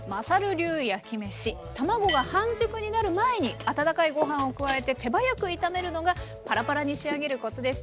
卵が半熟になる前に温かいご飯を加えて手早く炒めるのがパラパラに仕上げるコツでした。